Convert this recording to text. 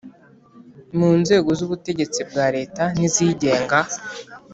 mu nzego z’ubutegetsi bwa leta n’izigenga;